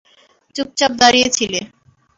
চুপচাপ দাঁড়িয়ে ছিলে।